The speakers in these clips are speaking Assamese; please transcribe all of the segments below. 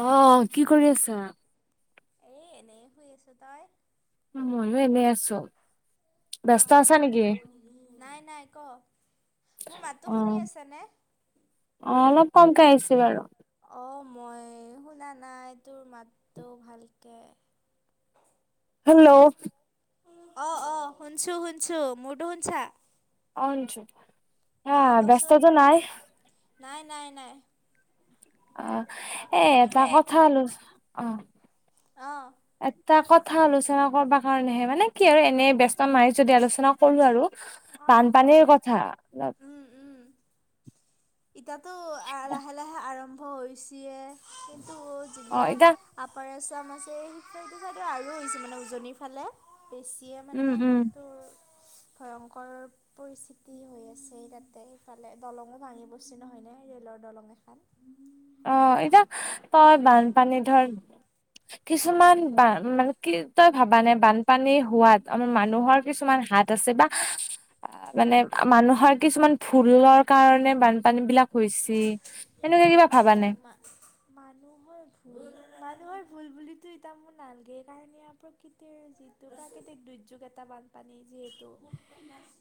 অহ কি কৰি আছা? এ এনে শুই আছো তই? ময়ো এনেই আছো ব্যস্ত আছা নেকি? মোৰ মাতটো শুনি আছে নে? কমকে আহিছে বাৰু। অ মই শুনা নাই তোৰ মাতটো ভালকে। হেল্ল'। অ অ হুঁনচো হুনচো মোৰটো সুনিচা অ হা ব্যস্তটো নাই? নাই নাই নাই। অ এ এটা কথাল অ এটা কথা আলোচনা কৰা কৰ্বা কাৰণে হে কথা মানে কি আৰু এনে বস্ত নাই যদি আলোচনা কৰো আৰু বানপানীৰ কথা ইতাতো লাহে লাহে আৰম্ভ হৈছে? এতিয়া টো যিবিলাক আপাৰ আ- চামাছে শটো এইটো চাইদে আৰু হৈছে মানে উজনিৰ ফালে বেছিয়ে মানে তোৰ ভয়ংকৰ পৰিস্থিতি হৈ আছে। তাতে সিফালে দলং ও ভাঙিব। বিচি নহ হয়নে ৰে'লৰ দলং এখন আহ এতিয়া তই বানপানী ধৰ কিছুমান বাান মানে কি তই ভাবানে বান পানী হোৱাত আমাৰ মানুহৰ কিছুমান হাত আছে বা মানে মানুহৰ কিছুমান ভুলৰ কাৰণে বানপানী বিলাক হৈছে সেনেকুৱা। ভাবা নাই? মানুহৰ ভুল মানুহৰ ভুল বুলিতো এতিয়া মোৰ নালাগে কাৰণে প্ৰকৃতিৰ প্ৰাকৃতিক দুৰ্যোগ এটা বানপানী যিহেতু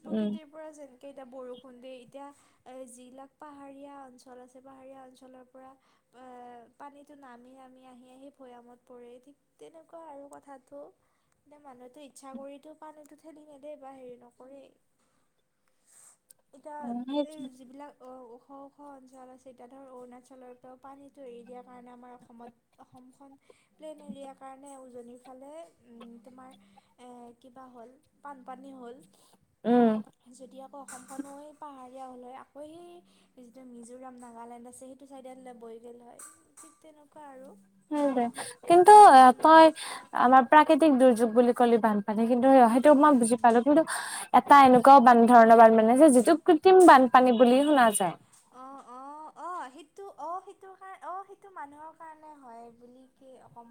প্ৰকৃতিৰ পৰা যেনেকে এতিয়া বৰষুণ দিয়ে এতিয়া এ যিলাক পাহাৰীয়া অঞ্চল অঞ্চল আছে পাহাৰীয়া, অঞ্চলৰ পৰা আহ পানীতো নামি আমি আহি আহি ভৈয়ামত পৰে। ঠিক তেনেকুৱা আৰু কথাটো এয়া মানুহটো ইচ্ছা কৰিতো পানীটো ঠেলি নে দেই বা হেৰি নকৰেই [unintelligible] এতিয়া এই যিবিলাক ওখ ওখ জল আছে এতিয়া ধৰক অৰুণাচলৰ পৰাও পানীটো এৰি দিয়াৰ কাৰণে আমাৰ অসমত অসমখন প্লেইন এৰিয়াৰ কাৰণে উজনিৰ ফালে তোমাৰ কিবা হ'ল বানপানী হ'ল। যদি আকৌ অসমখনো সেই পাহাৰীয়া হলে আকৌ সেই যিটো মজ মিজোৰাম নাগালেণ্ড আছে সেইটো ছাইডত বৈ গল হয়। ঠিক তেনেকুৱা আৰু। উম কিন্তু তই আমাৰ প্ৰাকৃতিক দুৰ্যোগ বুলি ক'লি বানপানী কিন্তু স মই বুজি পালো কিন্তু এটা এনেকুৱাও বান ধৰণৰ বান বানী আছে যিটো কৃত্ৰিম বান পানী বুলি শুনা যায়। অ অ অ সেইটো অ সেইটো কাৰ অ সেইটো মানুহৰ কাৰণে হয় বুলি কি অকম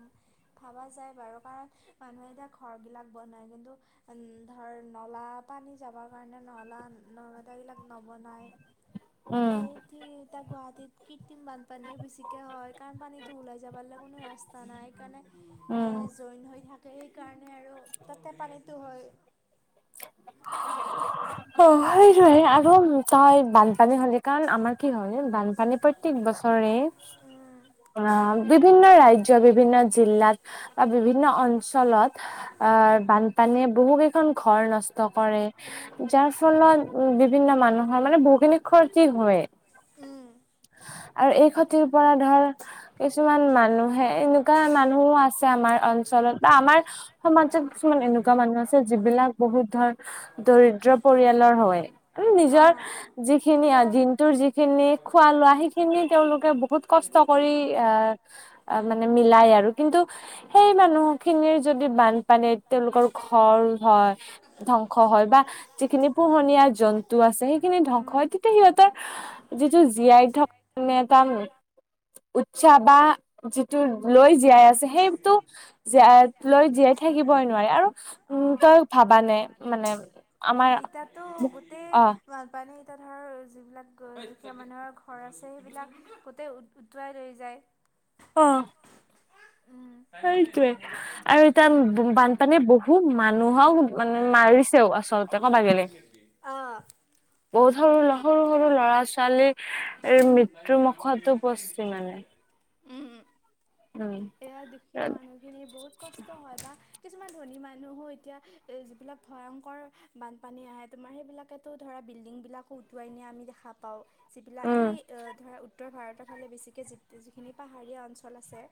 ভাবা। বাৰু কাৰণ মানুহে এতিয়া ঘৰবিলাক বনাই কিন্তু উম ধৰ নলা পানী যাবৰ কাৰণে নলা নৰ্দমা বিলাক নবনায়। উম এতিয়া গুৱাহাটীত কৃত্ৰিম বানপানীয়ে বেছিকে হয়। কাৰণপানীতো ওলাই যাবাগে কোনো ৰাস্তা নাই সেইকাৰণে এ জইন হৈ থাক সেইকাৰণে আৰু তাতে পানীটো হয়। অ হয় আৰু তই বানপানী হ'লে কাৰণ আমাৰ কি হয় বানপানী প্ৰত্যেক ব বছৰে অ বিভিন্ন ৰাজ্য বিভিন্ন জিলাত বা বিভিন্ন অঞ্চলত আহ বানপানীয়ে বহু কেইখন ঘৰ নষ্ট কৰে। যাৰ ফলত বিভিন্ন মানুহৰ মানে বহুখিনি ক্ষতি হয়। [unintelligible] আৰু এই ক্ষ্যতিৰ পৰা ধৰ কিছুমান মানুহে এনেকুৱা মানুহও আছে আমাৰ অল অঞ্চলত বা আমাৰ সমাজ কিছুমান এনেকুৱা মানুহ আছে। যিবিলাক বহুত ধৰ দৰিদ্ৰ পৰিয়ালৰ হয় আৰু নিজ পজৰ যিখিনি দিনটোৰ যিখিনি। লোৱা সিখিনি তেওঁলোকে বহুত কষ্ট কৰি আহ মানে মিলাই আৰু কিন্তু সেই মানুহখিনিৰ যদি বানপানীত তেওঁলোকৰ ঘৰ হয় ধ্বংস হয় বা যিখিনি পোহনীয়া জন্তু আছে, সেইখিনি ধ্বংস হয় তেতিয়া সিহঁতৰ জীয়াই থকানে এটা উৎসাহ বা যিটো লৈ জীয়াই আছে। সেইটো জ লৈ জীয়াই থাকিবই নোৱাৰে আৰু উ তই ভাবা নে মানে মানে আমাৰ ত' গোটেই বানপানী এতিয়া ধৰ যিবিলাক দুখীয়া মানুহৰ ঘৰ আছে, সেইবিলাক গোতেই উটুৱাই লৈ যায়। [inaudible] সেইটোয়ে আৰু এতিয়া বানপানীয়ে বহু মানুহক মানে মাৰিছেও আচলতে অ'। বহুত সৰু, সৰু, সৰু ল'ৰা-ছোৱালী মৃত্যু মুুখতো পৰছি মানে [inaudible] এ দুখীয়া মানুহ খিনি বহুত কষ্ট হয় বা কিছুমান ধনী মানুহো এতিয়া এ যিবিলাক ভয়ংকৰ বানপানী আহে, তোমাৰ সেইবিলাকে ধৰা বিল্ডিং বিলাকো উটুৱাই নিয়া আমি দেখা পাও। যিবিলাক এই ধৰা উত্তৰ ভাৰতৰ ফালে বেছিকে যি যিখিনি পাহাৰীয়া অঞ্চল আছে। স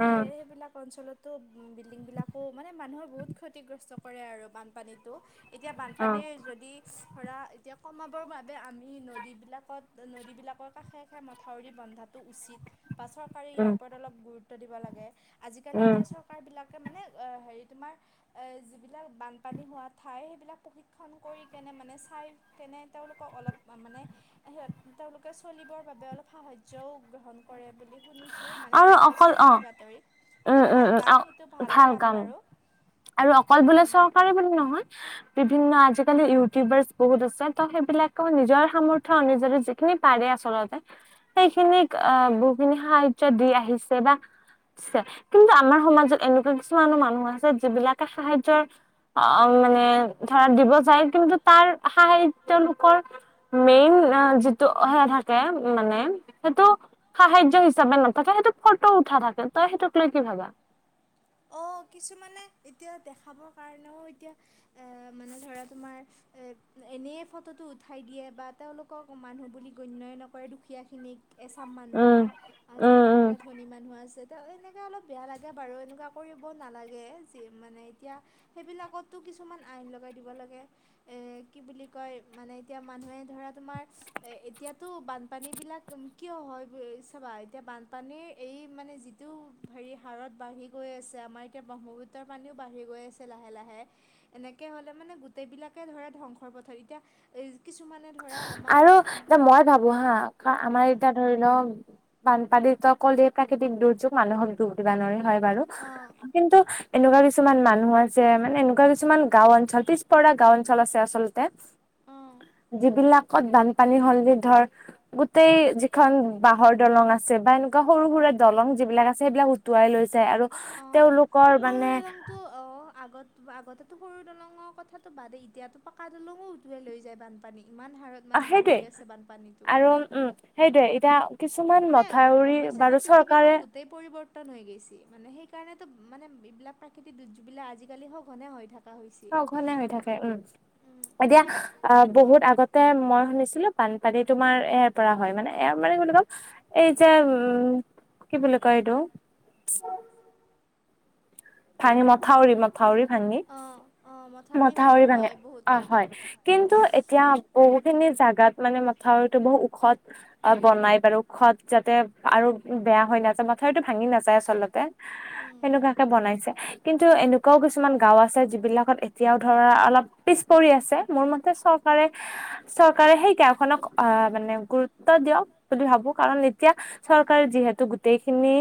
সেইবিলাক অঞ্চলত তো বিল্ডিংবিলাকো মানে মানুহে বহুত ক্ষতিগ্ৰস্ত কৰে আৰু বানপানীটো। এতিয়া বানপানীৰ যদি ধৰা এতিয়া কমাবৰ বাবে আমি নদীবিলাকত, নদীবিলাকৰ কাষে-কাষে মথাউৰি বন্ধাতো উচিত বা চৰকাৰে ইয়াৰ ওপৰত অলপ গুৰুত্ব দিব লাগে। আজিকালি এতিয়া চৰকাৰ বিলাক [inaudible] হেৰি তোমাৰ যিবিলাক বানপানী হোৱা ঠাই সেইবিলাক প্ৰশিক্ষণ কৰি কেনে মানে চাই তেনে তেওঁলোকক অলপ মানে সিহঁত, তেওঁলোকে চলিবৰ বাবে অলপ সাহায্যও গ্ৰহণ কৰে বুলি শুনিছো মানে দেখা টি, ভি বাতৰিত সেইটো ভাল কাম। সেইটো ভালেই কাম বাৰু আৰু অকল বোলে চৰকাৰে বুলি নহয়। বিভিন্ন আজিকালি ইউটিউবাৰ্চ বহুত আছে ত' সেইবিলাকেও নিজৰ সামৰ্থ অনুযায়ী যিখিনি পাৰে আচলতে সেইখিনিক আহ বহুখিনি সাহাৰ্য দি আহিছে বা দিছে কিন্তু আমাৰ সমাজত এনেকুৱা কিছুমানো মানুহ আছে যিবিলাকে সাহায্যৰ। অ' মানে ধৰা দিব যায় কিন্তু তাৰ সাহায্য লোকৰ মেইন যিটো সে থাকে মানে সেইটো সাহায্য হিচাপে ন' তাকে সেইটোক ফটো উঠা থাকে, তই সেইটোক লৈ কি ভাবা? কিছুমানে এতিয়া দেখাবৰ কাৰণেও এতিয়া এ মানে ধৰা তোমাৰ এ এনেই ফটোটো উঠাই দিয়ে বা তেওঁলোকক মানুহ বুলি গণ্যই নকৰে দুখীয়াখিনিক এচাম মানুহে আৰু যিবিলাক মানে ধনী মানুহ আছে তো এনেকৈ অলপ বেয়া লাগে বাৰু এনেকুৱা কৰিব নালাগে মানে এতিয়া সেইবিলাকতো কিছুমান আইন লগাই দিব লাগে। এ কি বুলি কয় মানে এতিয়া মানুহে ধৰা তোমাৰ এ এতিয়াতো বানপানী বিলাক। কিয় হয়, চাবা এতিয়া বানপানীৰ এই মানে যিটো হেৰি হাৰত বাঢ়ি গৈ আছে, আমাৰ এতিয়া ব্ৰহ্মপুত্ৰৰ পানীও বাঢ়ি গৈ আছে। লাহে-লাহে এনেকৈ হ'লে মানে গোটেইবিলাক কে ধৰা ধ্বংসৰ পথাৰ এতিয়া এই আৰু এতিয়া মই ভাবো হা আমাৰ এতিয়া ধৰি লওক উৎপাদিত কলেই প্ৰাকৃতিক দুৰ্যোগ মানুহক দুগ দিব নৰে হয় বাৰু কিন্তু এনেকুৱা কিছুমান মানুহ আছে মানে এনেকুৱা কিছুমান গাওঁ অঞ্চল, পিছপৰা গাঁও অঞ্চল আছে আচলতে তে বিলাকত বানপানী হ'লে ধৰ গোটেই যিখন বাঁহৰ দলং আছে বা এনেকুৱা সৰু সুৰা দলং যিবিলাক আছে, সেইবিলাক উটুৱাই লৈছে আৰু তেওঁলোকৰ মানে আগত আগতেতো সৰু দলঙৰ কথাতটো বাদে এতিয়াতো পকা দলঙো উটোৱাই লৈ যায় বানপানীয়ে। অ সেইটোৱে। আৰু উম সেইটোৱে এতিয়া কিছুমান মথাউৰি বাৰু চৰকাৰে- পটন হৈ গৈছে। মানে সেইকাৰণেতো মানে এইবিলাক প্ৰাকৃতি দুৰ্যোগবিলাক আজিকালি সঘনে হৈ থাকে। সঘনে হৈ থাকে উম। এতিয়া আহ বহুত আগত, মই শুনিছিলো বানপানী তোমাৰ এয়াৰ পৰা হয়, মানে এয়াৰ মানে কি কম এই যে উম কি বুলি কয় এইটো, ভাঙি মথাউৰি মথাউৰি ভাঙি, মথাউৰি ভাঙে অ হয় কিন্তু এতিয়া ব- খিনি জেগাত মানে মথাউৰিতটো বহুত ওখত অ বনাই বাৰু ওখত যাতে আৰু বেয়া হৈ নাযায় মথাৰিতটো ভাঙি নাযায় আচলতে। সেনেকুৱাকে বনাইছে। কিন্তু এনেকুৱাও কিছুমান গাওঁ আছে যিবিলাকত এতিয়াও ধৰা অলপ পিছ পৰি আছে মোৰ মতে চে চৰকাৰে সেই গাঁওখনক অ মানে গুৰুত্ব দিয়ক বুলি ভাবো কাৰণ এয়া চৰকাৰ যিহেতু গোটেইখিনি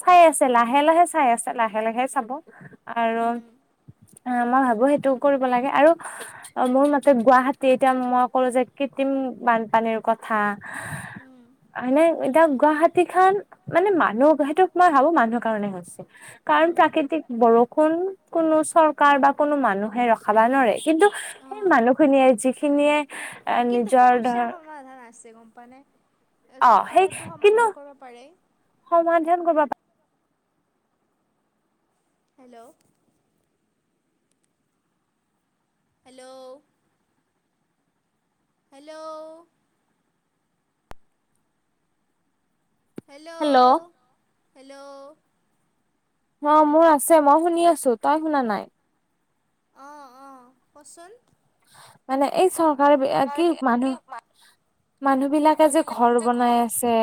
চাই আছে লাহে লাহে চাই আছে লাহে লাহে চা আৰু অ মই ভাবো সেইটোও কৰিব লাগে আৰু অ মোৰ মতে গুৱাহাটী এতিয়া মই কলো যে, কৃতিম বানপানীৰ কথা মানে এতিয়া গুৱাহাটী খন মানে মানুহ সেইটো মই ভাবো মানুহৰ কাৰণে হৈছে। কাৰণ প্ৰাকৃতিক, বৰষুণ কোনো চৰকাৰ বা কোনো মানুহে ৰখাবা নোৱাৰে। কিন্তু সেই মানুহখিনিয়ে- যিখিনিয়ে- কিন্তু সমস্যাৰ সমাধান আছে গম পাৱনে? চৰকাৰেটো সমাধান কৰিব পাৰে। সমাধান কৰিব পাৰি- hello hello hello hello hello অ মোৰ আছে মই শুনি আছো তই শুনা নাই অ অ কচোন মানে এই চৰকাৰে কি মানুহ, মানুহ বিলাকে যে ঘৰ বনাই আছে,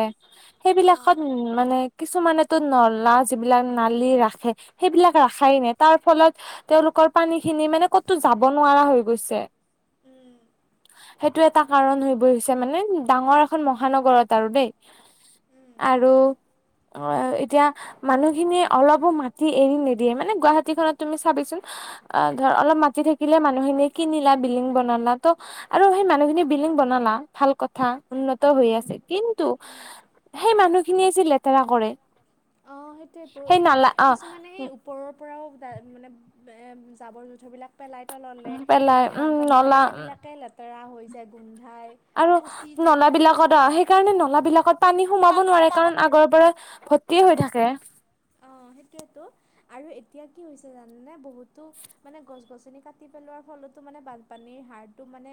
সেইবিলাকত উ মানে কিছুমানেতো নলা যিবিলাক নালি ৰাখে, সেইবিলাক ৰাখাই নাই। তাৰ ফলত তেওঁলোক কৰ পানীখিনি মানে ক'তো যাব নোৱাৰা হৈ গৈছে। উম। সেইটো এটা কাৰণ হৈ বৈছে মানে ডাঙৰ এখন মহানগৰত আৰু দেই। আৰু অ এতিয়া মানুহখিনিয়ে অলপো মাটি এৰি নিদিয়ে মানে গুৱাহাটীখনত তুমি চাবিচোন অ ধৰ অলপ মাতি থাকিলে মানুহখিনিক কিনিলা বিল্ডিং বনালা, ত আৰু সেই মানুহখিনি বিল্ডিং বনালা, ভাল কথা উন্নত হৈ আছে। কিন্তু, সেই মানুহখিনিয়ে যে লেতেৰা কৰে। অঁ সেইটোৱেটো, এতিয়া কিছুমানেই ওপৰৰ পৰাও পে মানে জাবৰ- জোথৰবিলাক পেলাই ত ল'লে একৌ বানপানী হ'লে সেইবিলাকে লেতেৰা হৈ যায়, গোন আৰু, নলাবিলাকত অ সেইকাৰণে নলা বিলাকত পানী সোমাব নোৱাৰে কাৰণ আগৰ পৰা। ভৰ্তি হৈ থাকে। সেইটোয়েতো আৰু এতিয়া কি হৈছে জানে বহুতো মানে গছ গ-ছনি কাটি পেলোৱাৰ ফলত মানে বানপানীৰ হাৰটো মানে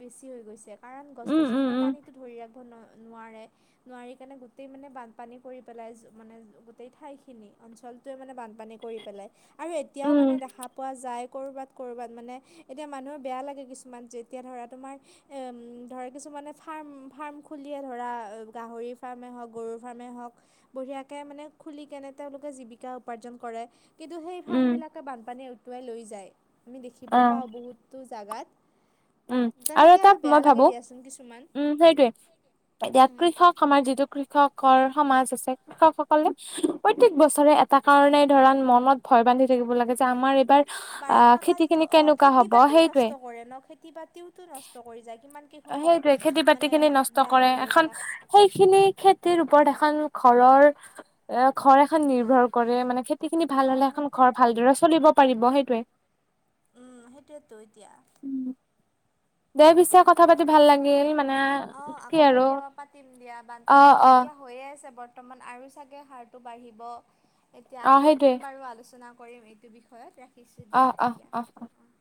বেছি হৈ গৈছে। কাৰণ গছ -গছনিয়ে পানীতো ধৰি ৰা নো- নোৱাৰে, নোৱাৰি কাৰনে গোটেই মানে বান পানী পৰি পেলাই মানে গোটেই ঠাইখিন খিনি অঞ্চলটোৱে মানে বানপানী কৰি পেলাই। আৰু এতিয়াও মানে দেখা পোৱা যায় কৰবাত কৰবাত মানে এতিয়া মানুহৰ বেয়া লাগে কিছুমান যেতিয়া ধৰা তোমাৰ এ ধৰা কিছু মানে ফাৰ্ম, ফাৰ্ম খুলিয়ে ধৰা গাহৰি ফাৰ্ম এ হ‌ওক বা গৰু ফাৰ্ম এ হ‌ওক বঢ়িয়াকে মানে খুলি কেনে তেওঁলোকে জীৱিকা উপাৰ্জন কৰে। কিন্তু সেই ফাৰ্ম বিলাকে বানপানীয়ে উটুৱাই লৈ যায়। আমি দেখিব পাও বহুতো জাগাত। উম আৰু এটা মই ভাবো, উম সেইটোৱে। এতিয়া কৃষক আমাৰ যিটো কৃষ কৃষকৰ সমাজ আছে। কৃষকসকলে প্ৰত্যেক বছৰে এটা কাৰণে ধৰা মনত ভয় বান্ধি থাকিব লাগে, যে আমাৰ এইবাৰ বাৰিষা কালতো অ খেতি বাতিও নষ্ট কৰে ন, খেতি বাতিওতো নষ্ট কৰি যায়, কিমা সেইটোয়ে খেতি -বাতিখিনি নষ্ট কৰে। এখন সেইখিনি খেতিৰ ওপৰত এ খন ঘৰৰ এ ঘৰ এখন নিৰ্ভৰ কৰে, মানে খে খেতিখিনি ভাল হলে এখন ঘৰ ভালদৰে চলিব পাৰিব সেইটোৱে। সেইটোৱে ত এতিয়া। দে বিসেশত কথা পাতি ভাল লাগিল মানে কি আৰু অ অ। বৰ্তমান আৰু চাগে হাৰটো বাঢ়িব। এতিয়া আকৌ এদিন বাৰু আলোচনা কৰিম এইটো বিষয়ত, ৰাখিছোঁ দিয়া দিয়া অঁ।